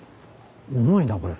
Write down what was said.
重いなこれ。